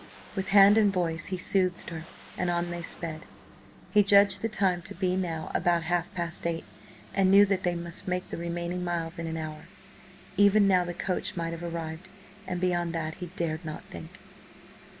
With hand and voice he soothed her, and on they sped. He judged the time to be now about half past eight, and knew that they must make the remaining miles in an hour. Even now the coach might have arrived, and beyond that he dared not think.